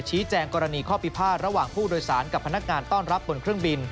แจ้งกรณีข้อพิพาทระหว่างผู้โดยสารกับพนักงานต้อนรับบนเครื่องบิน